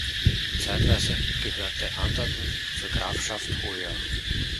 Zeitweise gehörte Anderten zur Grafschaft Hoya.